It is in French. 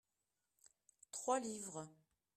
trois livres.